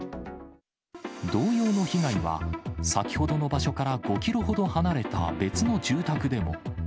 同様の被害は、先ほどの場所から５キロほど離れた別の住宅でも。